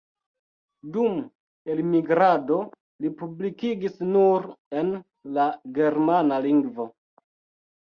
Dum elmigrado li publikis nur en la germana lingvo.